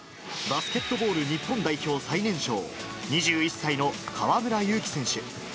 バスケットボール日本代表最年少、２１歳の河村勇輝選手。